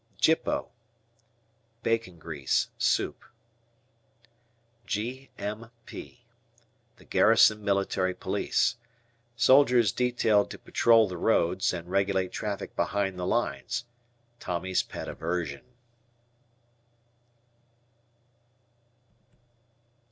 "Gippo." Bacon grease; soup. G.M.P. Garrison Military Police. Soldiers detailed to patrol the roads and regulate traffic behind the lines. Tommy's pet aversion.